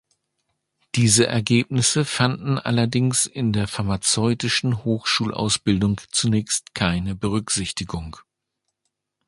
Diese Ergebnisse fanden allerdings in der pharmazeutischen Hochschulausbildung zunächst keine Berücksichtigung.